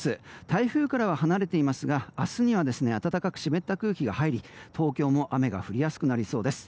台風からは離れていますが明日には暖かく湿った空気が入り東京も雨が降りやすくなりそうです。